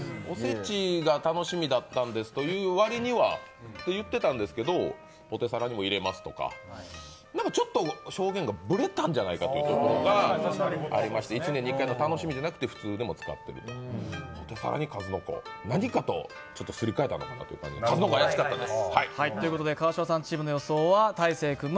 お節が楽しみだったんですと言ってたんですけどポテサラにも入れますとか、ちょっと証言がブレたんじゃないかというのがありまして１年に１回の楽しみじゃなくて普通に使っていると、ポテサラに数の子何かとすり替えたんじゃないかと思って数の子、怪しかったです。